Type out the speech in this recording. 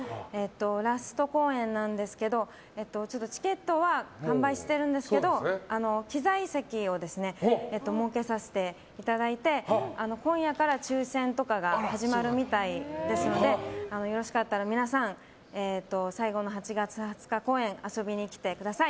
ラスト公演なんですけどもチケットは完売してるんですけど機材席を設けさせていただいて今夜から抽選とかが始まるみたいですのでよろしかったら皆さん最後の８月２０日公演遊びに来てください。